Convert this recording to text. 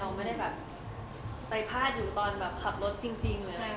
เราไม่ได้ไปพลาดอยู่ตอนขับรถจริงเพราะฉะนั้นบ่อยแน่นอน